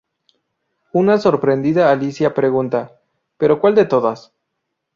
Una sorprendida Alicia pregunta "¿Pero cuál de todas?